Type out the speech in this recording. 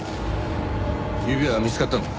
指は見つかったのか？